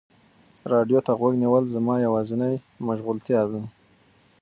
راډیو ته غوږ نیول زما یوازینی مشغولتیا ده.